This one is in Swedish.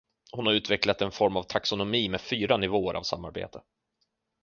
Hon har utvecklat en form av taxonomi med fyra nivåer av samarbete.